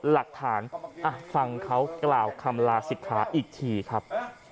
หลักฐานฟังเขากล่าวคำลาศิกขาอีกทีครับ